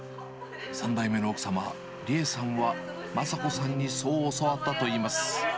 ３代目の奥様、理恵さんは、正子さんにそう教わったといいます。